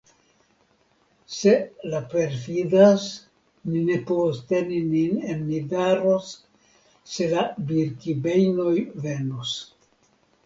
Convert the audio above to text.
Se la perfidas, ni ne povos teni nin en Nidaros, se la Birkibejnoj venos.